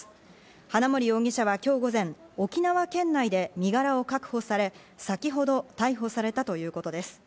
花森容疑者は今日午前、沖縄県内で身柄を確保され、先ほど逮捕されたということです。